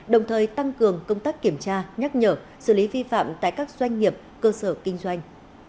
đồng thời tăng cường công tác kiểm tra nhắc nhở xử lý vi phạm tại các doanh nghiệp cơ sở kinh doanh